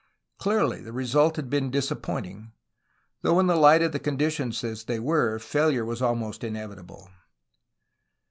Clearly the result had been disappointing, though in the light of conditions as they were, failure was almost inevitable.